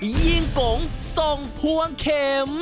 เย่